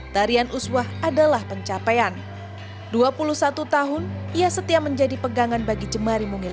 tarian uswah adalah pencapaian dua puluh satu tahun ia setia menjadi pegangan bagi jemari mungil